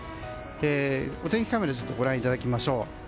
お天気カメラをご覧いただきましょう。